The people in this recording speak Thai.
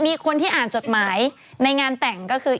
มีคนที่อ่านจดหมายในงานแต่งก็คือ